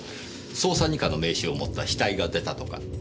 捜査二課の名刺を持った死体が出たとか。